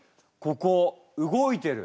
ここ動いてる！